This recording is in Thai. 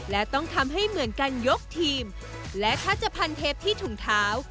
และต้องทำให้เหมือนกันยกทีมและทัชพันเทปที่ถุงเท้า